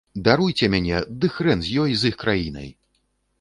Даруйце мяне, ды хрэн з ёй, з іх краінай!